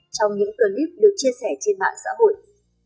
trong những clip được chia sẻ trên mạng xã hội